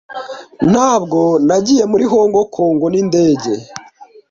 Ntabwo nagiye muri Hong Kong nindege.